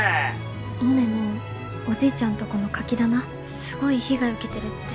モネのおじいちゃんとこのカキ棚すごい被害受けてるって。